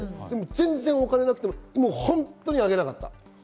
全然、お金がなくてもホントにあげなかった。